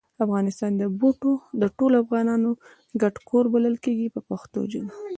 افغانستان د ټولو افغانانو ګډ کور بلل کیږي په پښتو ژبه.